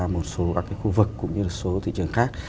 một số các cái khu vực cũng như là số thị trường khác